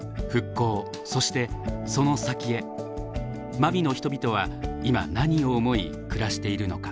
真備の人々は今何を思い暮らしているのか。